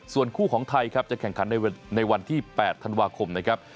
ส่วนคู่ของไทยครับจะแข่งขันในวันที่๘ธันวาคมนะครับ